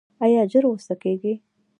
ایا ژر غوسه کیږئ؟